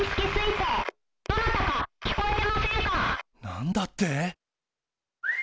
何だって？